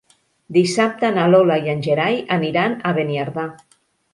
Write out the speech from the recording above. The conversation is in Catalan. Dissabte na Lola i en Gerai aniran a Beniardà.